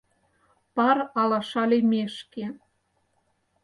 Пар алаша лиймешке